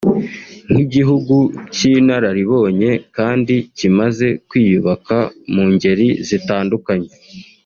nk’igihugu cy’inararibonye kandi kimaze kwiyubaka mu ngeri zitandukanye